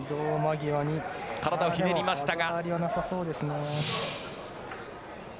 体をひねりましたが。